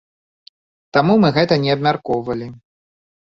Таму мы гэта не абмяркоўвалі.